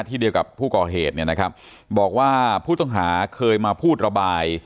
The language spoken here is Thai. ที่เดียวกับผู้ก่อเหตุเนี่ยนะครับบอกว่าผู้ต้องหาเคยมาพูดระบาย